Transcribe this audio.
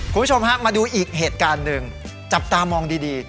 คุณผู้ชมฮะมาดูอีกเหตุการณ์หนึ่งจับตามองดี